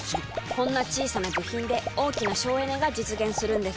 こんな小さな部品で大きな省エネが実現するのです。